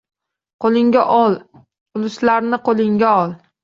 Qoʼlingga ol, uluslarni qoʼlingga ol.